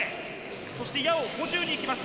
そして矢を補充に行きます。